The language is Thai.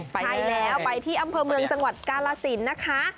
ใช่แล้วไปที่อำเภอเมืองจังหวัดกาลสินนะคะ